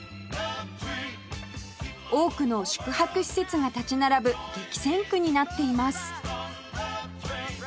多くの宿泊施設が立ち並ぶ激戦区になっています